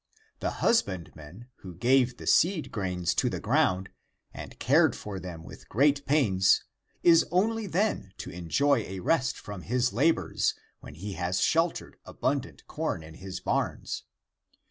The husbandman who gave the seed grains to the ground, and cared for them ^^•ith great pains, is only then to enjoy a rest from his labors when he has sheltered abundant corn in his barns.